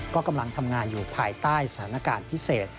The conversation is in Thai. ก็กำลังทำงานอยู่ภายใต้สถานการณ์พิเศษ